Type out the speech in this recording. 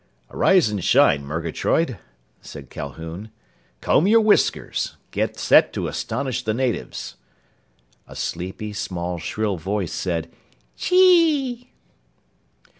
"Arise and shine, Murgatroyd," said Calhoun. "Comb your whiskers. Get set to astonish the natives!" A sleepy, small, shrill voice said: "_Chee!